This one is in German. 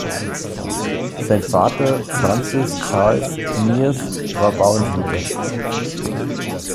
Sein Vater, Francis Charles Miers, war Bauingenieur.